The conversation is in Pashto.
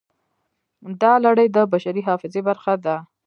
دا لړۍ د بشري حافظې برخه ده.